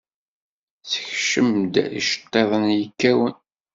Ssekcem-d iceṭtiḍen yekkawen.